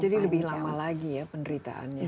jadi lebih lama lagi ya penderitaannya